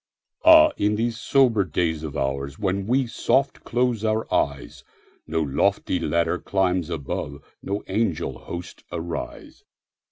Ah, in these sober days of oursWhen we soft close our eyes, No lofty ladder climbs above, No angel hosts arise.